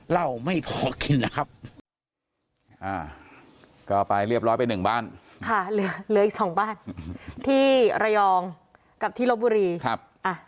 เหล้าไม่พอกินนะครับ